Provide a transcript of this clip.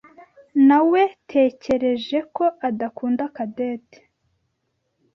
Nawetekereje ko adakunda Cadette.